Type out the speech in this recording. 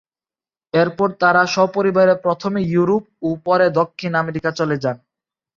এরপর তারা সপরিবারে প্রথমে ইউরোপ ও পরে দক্ষিণ আমেরিকা চলে যান।